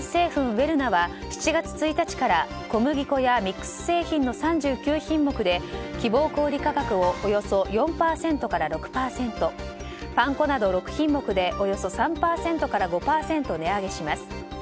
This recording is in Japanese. ウェルナは７月１日から小麦粉やミックス製品の３９品目で希望小売価格をおよそ４％から６％パン粉など６品目でおよそ３％から５％値上げします。